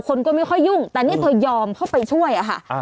คนก็ไม่ค่อยยุ่งแต่นี่เธอยอมเข้าไปช่วยอะค่ะ